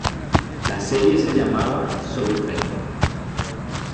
La serie se llamaba Soul Train.